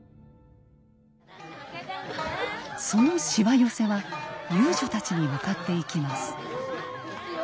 そのしわ寄せは遊女たちに向かっていきます。